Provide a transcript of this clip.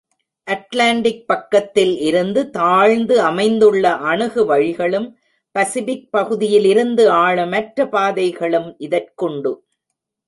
Atlantic பக்கத்தில் இருந்து தாழ்ந்து அமைந்துள்ள அணுகு வழிகளும், பசிபிக் பகுதியிலிருந்து ஆழமற்ற பாதைகளும் இதற்குண்டு.